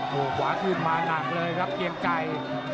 โอ้โหขวาขึ้นมาหนักเลยครับเกียงไก่